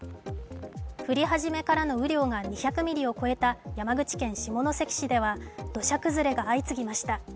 降り始めからの雨量が２００ミリを超えた山口県下関市では土砂崩れが相次ぎました。